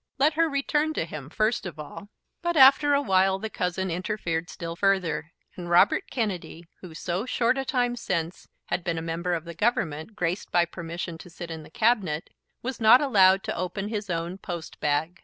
Let her return to him first of all! But after a while the cousin interfered still further; and Robert Kennedy, who so short a time since had been a member of the Government, graced by permission to sit in the Cabinet, was not allowed to open his own post bag.